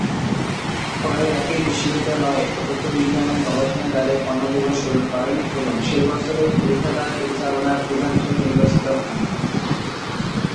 পরে একই বিশ্ববিদ্যালয়ে পদার্থবিজ্ঞানের গবেষণাগারে কর্মজীবন শুরু করেন এবং সেই বছরেই পরীক্ষাগার পরিচালনার প্রধান হিসাবে নির্বাচিত হন।